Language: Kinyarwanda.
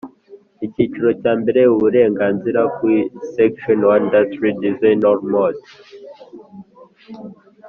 Icyiciro cya mbere Uburenganzira ku Section one Industrial design or model